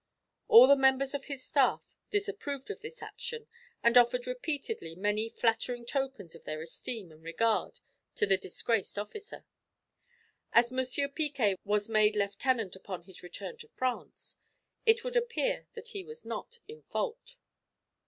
All the members of his staff disapproved of this action, and offered repeatedly many flattering tokens of their esteem and regard to the disgraced officer. As M. Picquet was made lieutenant upon his return to France, it would appear that he was not in fault.